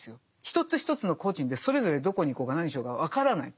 一つ一つの個人でそれぞれどこに行こうが何しようが分からない。